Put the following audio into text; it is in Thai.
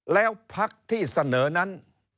แล้วพักที่เสนอนั้น